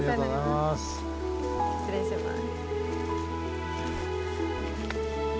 失礼します。